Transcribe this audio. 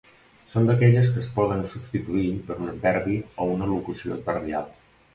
Són aquelles que es poden substituir per un adverbi o una locució adverbial.